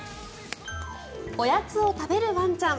おやつを食べるワンちゃん。